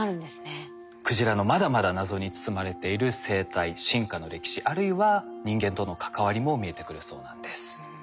クジラのまだまだ謎に包まれている生態進化の歴史あるいは人間との関わりも見えてくるそうなんです。